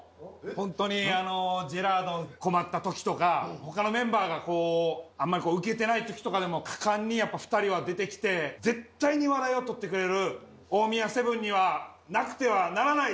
ホントにジェラードン困った時とか他のメンバーがこうあんまりウケてない時とかでも果敢にやっぱ２人は出てきて絶対に笑いを取ってくれる大宮セブンにはなくてはならない存在だと思います。